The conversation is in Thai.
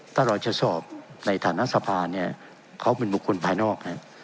ถ้าเราจะสอบในฐานะสภาเนี่ยเขาเป็นบุคคลภายนอก